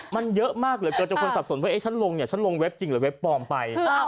มันเยอะมากเลยเกิดจะคนสับสนว่าฉันลงเว็บจริงหรือเว็บปลอมไป